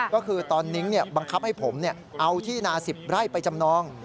ก็คือตอนนิ้งบังคับให้ผมเอาที่นา๑๐ไร่ไปจำนอง